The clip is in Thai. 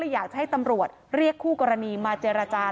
ให้ตำรวจเรียกคู่กรณีมาเจรจา